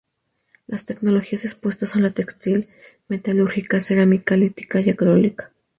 Las tecnologías expuestas son la textil, metalúrgica, cerámica, lítica y agrícola.